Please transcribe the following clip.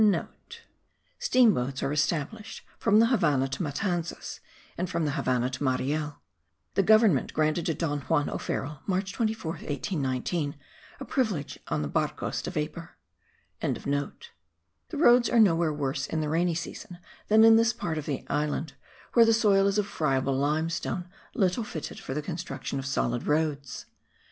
(* Steam boats are established from the Havannah to Matanzas, and from the Havannah to Mariel. The government granted to Don Juan O'Farrill (March 24th, 1819) a privilege on the barcos de vapor.) The roads are nowhere worse in the rainy season than in this part of the island, where the soil is of friable limestone, little fitted for the construction of solid roads.